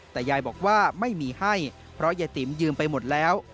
แต่ยายบอกว่าไม่มีให้เพราะยายติ๋มยืมไปหมดแล้ว